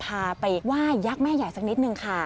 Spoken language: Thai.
พาไปไหว้ยักษ์แม่ใหญ่สักนิดนึงค่ะ